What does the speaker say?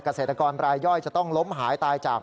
เกษตรกรรายย่อยจะต้องล้มหายตายจาก